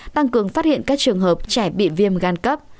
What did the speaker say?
tăng cường phát hiện các trường hợp trẻ bị viêm gan cấp